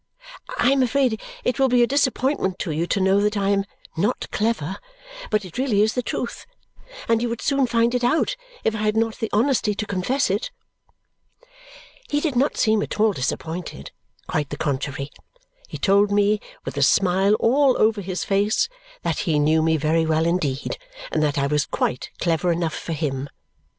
I am afraid it will be a disappointment to you to know that I am not clever, but it really is the truth, and you would soon find it out if I had not the honesty to confess it." He did not seem at all disappointed; quite the contrary. He told me, with a smile all over his face, that he knew me very well indeed and that I was quite clever enough for him.